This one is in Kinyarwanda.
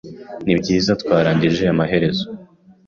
Nibyiza, twarangije amaherezo.